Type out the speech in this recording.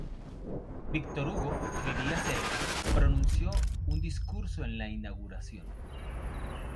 Victor Hugo, que vivía cerca, pronunció un discurso en la inauguración.